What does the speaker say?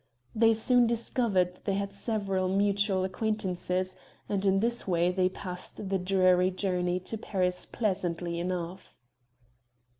They soon discovered that they had several mutual acquaintances, and in this way they passed the dreary journey to Paris pleasantly enough.